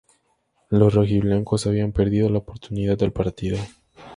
Los rojiblancos habían perdido la oportunidad del partido.